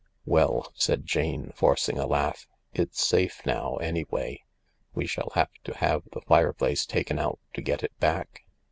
"Well," said Jane, forcing a laugh, "it's safe now, any way. We shall have to have the fireplace taken out to get it back.